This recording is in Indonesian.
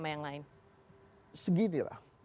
sama yang lain segini lah